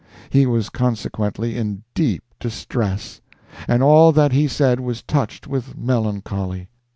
He was consequently in deep distress, and all that he said was touched with melancholy.